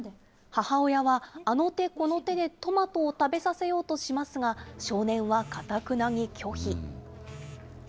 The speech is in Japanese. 母親はあの手この手でトマトを食べさせようとしますが、少年はかたくなに拒否。